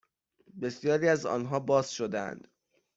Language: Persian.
بسیاری از آنها باز شدهاند